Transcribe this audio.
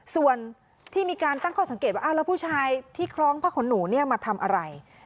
ส่วนที่มีการตั้งข้อสังเกตว่าแล้วผู้ชายที่คล้องผ้าขนหนูเนี่ยมาทำอะไร